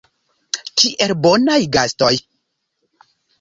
Kiel bonaj gastoj.